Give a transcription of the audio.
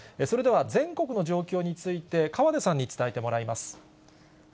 それでは全国の状況について、河出さんに伝えてもらいます。